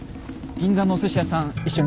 銀座のおすし屋さん一緒にどう？